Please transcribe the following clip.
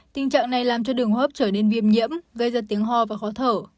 tình trạng này làm cho đường hô hấp trở nên viêm nhiễm gây ra tiếng hò và khó thở